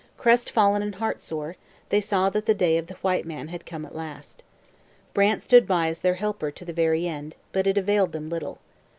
Crestfallen and heartsore, they saw that the day of the white man had come at last. Brant stood by as their helper to the very end, but it availed them little.